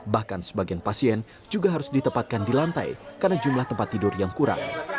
bahkan sebagian pasien juga harus ditempatkan di lantai karena jumlah tempat tidur yang kurang